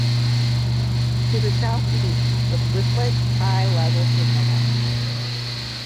To the southeast was Whifflet High Level signal box.